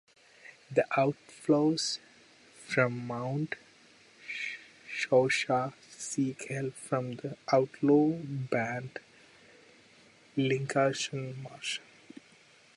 The outlaws from Mount Shaohua seek help from the outlaw band at Liangshan Marsh.